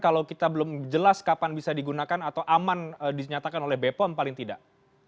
kalau kita belum jelas kapan bisa digunakan atau aman dinyatakan oleh bepom paling tidak